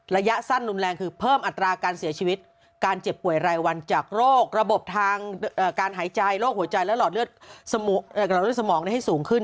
ระยะสั้นรุนแรงคือเพิ่มอัตราการเสียชีวิตการเจ็บป่วยรายวันจากโรคระบบทางการหายใจโรคหัวใจและหลอดเลือดสมองให้สูงขึ้น